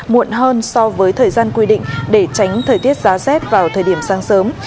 muộn hơn so với thời gian quy định để tránh thời tiết giá rét vào thời điểm sáng sớm